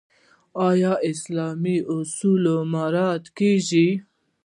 آیا اسلامي اصول مراعات کیږي؟